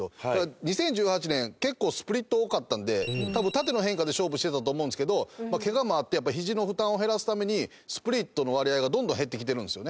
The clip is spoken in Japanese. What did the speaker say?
２０１８年結構スプリット多かったんで多分縦の変化で勝負してたと思うんですけどケガもあって肘の負担を減らすためにスプリットの割合がどんどん減ってきてるんですよね。